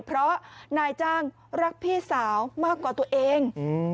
เพราะนายจ้างรักพี่สาวมากกว่าตัวเอง